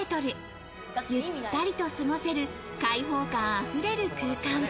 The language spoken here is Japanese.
ゆったりと過ごせる開放感溢れる空間。